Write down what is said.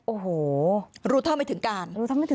โอ้โหรู้เท่าไม่ถึงการ